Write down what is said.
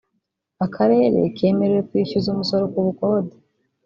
Akarere kemerewe kwishyuza umusoro ku bukode